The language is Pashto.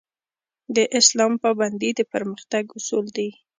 د اسلام پابندي د پرمختګ اصول دي